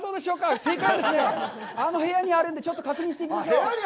正解はですね、あの部屋にあるので、ちょっと確認してみましょう。